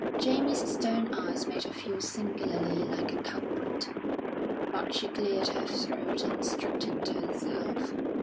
Jamie's stern eyes made her feel singularly like a culprit; but she cleared her throat and straightened herself.